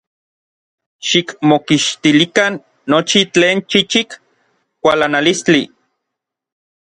Xikmokixtilikan nochi tlen chichik kualanalistli.